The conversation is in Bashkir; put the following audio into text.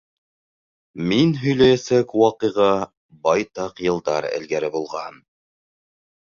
Мин һөйләйәсәк ваҡиға байтаҡ йылдар элгәре булған.